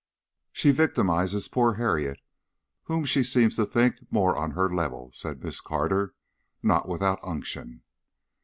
"She victimizes poor Harriet, whom she seems to think more on her level," said Miss Carter, not without unction.